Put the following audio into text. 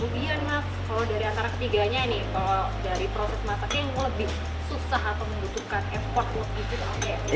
gimana mas kalau dari antara ketiganya nih kalau dari proses masaknya yang lebih susah atau membutuhkan effort gitu pak